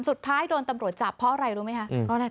สุดท้ายโดนตำรวจจับเพราะอะไรรู้ไหมคะ